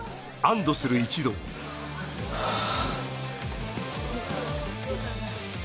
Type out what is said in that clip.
・ハァ！